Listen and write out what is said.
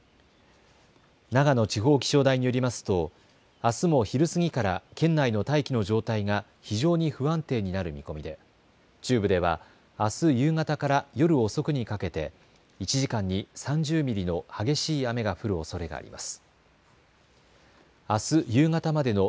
長野地方気象台によりますとあすも昼過ぎから県内の大気の状態が非常に不安定になる見込みで中部ではあす夕方から夜遅くにかけて１時間に３０ミリの激しい雨が降るおそれがあります。